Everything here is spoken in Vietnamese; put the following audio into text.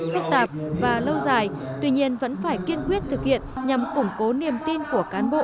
phức tạp và lâu dài tuy nhiên vẫn phải kiên quyết thực hiện nhằm củng cố niềm tin của cán bộ